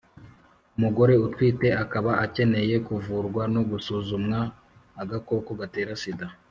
umugore utwite aba akeneye kuvurwa no gusuzumwa agakoko gatera sida,